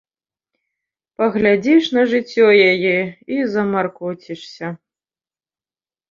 Паглядзіш на жыццё яе і замаркоцішся.